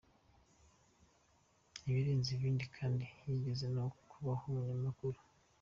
Ibirenze ibindi kandi yigeze no kubaho umunyamakuru.